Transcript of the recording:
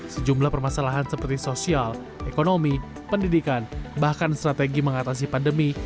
sejumlah permasalahan seperti sosial ekonomi pendidikan bahkan strategi mengatasi pandemi